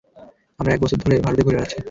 আমরা এক বছর ধরে ভারতে ঘুরে বেড়াচ্ছি।